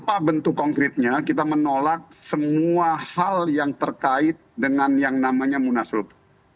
apa bentuk konkretnya kita menolak semua hal yang terkait dengan yang namanya munaslup